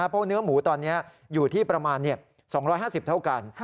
เพราะเนื้อหมูตอนนี้อยู่ที่ประมาณ๒๕๐เท่ากัน